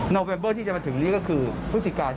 นับวันเวิร์ดที่จะมาถึงนี่ก็คือภูจิกาย